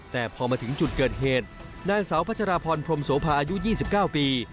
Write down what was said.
แต่พอมาถึงจุดเกิดเหตุนางสาวพัชราพรพรมโสภาอายุ๒๙ปี